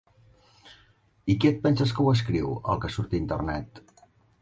I qui et penses que ho escriu, el que surt a internet?